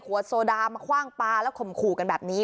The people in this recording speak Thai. โซดามาคว่างปลาแล้วข่มขู่กันแบบนี้